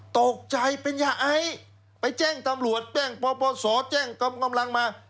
ตกใจเป็นยาไอไปแจ้งตำรวจแจ้งปปศแจ้งกำลังมา